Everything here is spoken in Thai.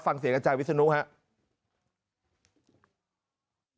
ฟังเสียงอาจารย์วิศนุครับ